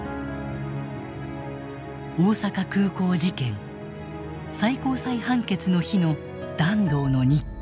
大阪空港事件最高裁判決の日の團藤の日記。